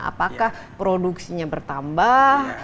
apakah produksinya bertambah